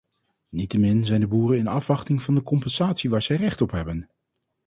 Niettemin zijn de boeren in afwachting van de compensatie waar zij recht op hebben.